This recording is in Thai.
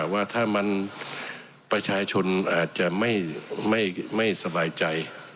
ว่าถ้ามันประชาชนอาจจะไม่สบายใจ